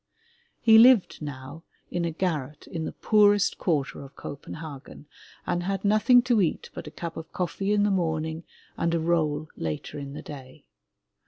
He lived now in a garret in the poorest quarter of Copenhagen and had nothing to eat but a cup of coffee in the morning and a roll later in the day.